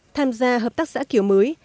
tham gia hợp tác xã kiểu mới